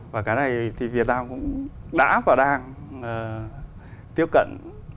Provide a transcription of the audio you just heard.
và cái này thì việt nam cũng đã và đang tiếp cận